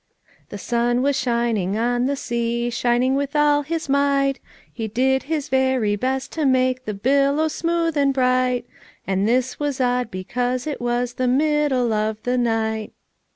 it ( The sun was shining on the sea, Shining with all his might; He did his very best to make The billows smooth and bright. And this was odd, because it was The middle of the night!'